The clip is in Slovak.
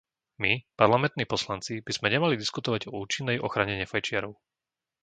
My, parlamentní poslanci, by sme nemali diskutovať o účinnej ochrane nefajčiarov.